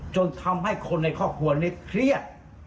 จนทำให้คนในครอบครัวนี้เครียด